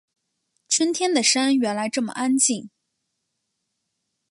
春天的山原来这么安静